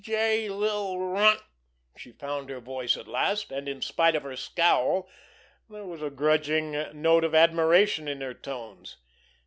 "Youse dirty little runt!" She found her voice at last, and in spite of her scowl there was a grudging note of admiration in her tones.